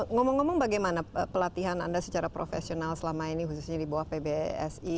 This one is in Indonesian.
ngomong ngomong bagaimana pelatihan anda secara profesional selama ini khususnya di bawah pbsi